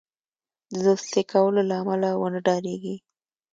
د دوستی کولو له امله ونه ډاریږي.